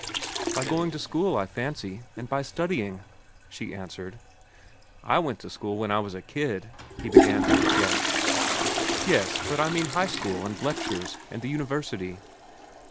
"By going to school, I fancy, and by studying," she answered. "I went to school when I was a kid," he began to object. "Yes; but I mean high school, and lectures, and the university."